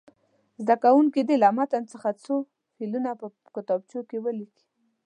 زده کوونکي دې له متن څخه څو فعلونه په کتابچو کې ولیکي.